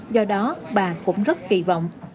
do đó bà cũng rất kỳ vọng